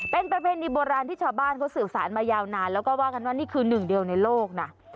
เป็นประเพณีโบราณที่ชาวบ้านเขาสื่อสารมายาวนานแล้วก็ว่ากันว่านี่คือหนึ่งเดียวในโลกนะ